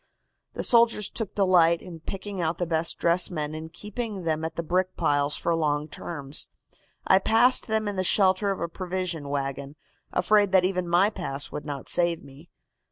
The soldiers took delight in picking out the best dressed men and keeping them at the brick piles for long terms. I passed them in the shelter of a provision wagon, afraid that even my pass would not save me.